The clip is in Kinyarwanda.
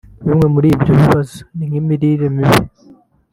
Bimwe muri ibyo bibazo ni nk’imirire mibi